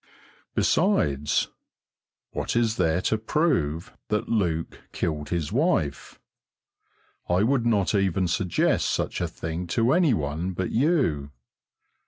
Besides, what is there to prove that Luke killed his wife? I would not even suggest such a thing to any one but you.